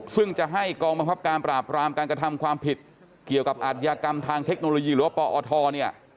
ซึ่งจะให้กองบังคับการปราบรามการกระทำความผิดเกี่ยวกับอัธยากรรมทางเทคโนโลยีหรือว่าปอทเนี่ย